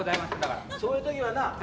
そういうときはな